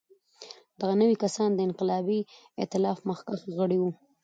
دغه نوي کسان د انقلابي اېتلاف مخکښ غړي وو.